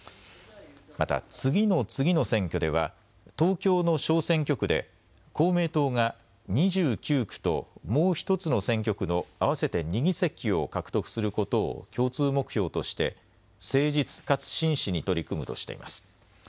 また次の次の選挙では東京の小選挙区で公明党が２９区ともう１つの選挙区の合わせて２議席を獲得することを共通目標として誠実かつ真摯に取り組むとしています。